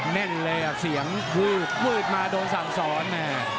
แน่นเลยอ่ะเสียงวูบมืดมาโดนสั่งสอนแม่